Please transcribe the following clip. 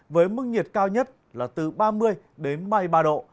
với mức nhiệt cao nhất là từ ba mươi đến ba mươi ba độ